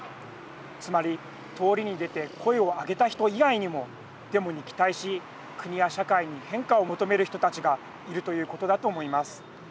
つまり通りに出て声を上げた人以外にもデモに期待し国や社会に変化を求める人たちがいるということだと思います。